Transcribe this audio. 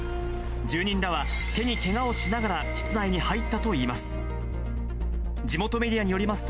住人らは、手にけがをしながら室内に入ったといいます。